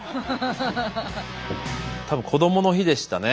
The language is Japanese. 多分こどもの日でしたね。